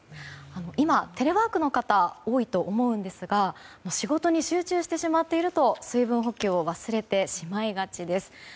今、テレワークの方多いと思うんですが仕事に集中してしまっていると水分補給を忘れてしまいがちです。